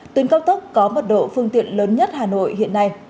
tuyến cao tốc có mật độ phương tiện lớn nhất hà nội hiện nay